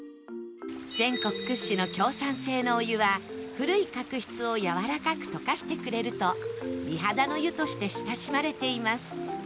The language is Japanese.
全国屈指の強酸性のお湯は古い角質をやわらかく溶かしてくれると美肌の湯として親しまれています